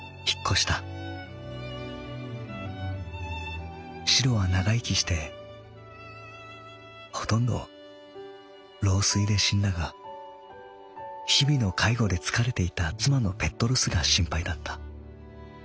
しろは長生きしてほとんど老衰で死んだが日々の介護で疲れていた妻のペットロスが心配だった。